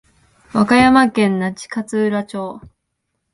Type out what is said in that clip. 和歌山県那智勝浦町